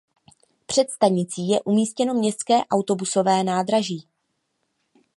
Před stanicí je umístěno městské autobusové nádraží.